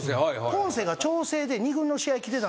ポンセが調整で２軍の試合来てたんですよ。